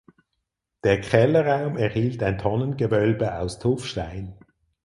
Der Kellerraum erhielt ein Tonnengewölbe aus Tuffstein.